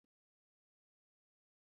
هوا د افغانستان د هیوادوالو لپاره ویاړ دی.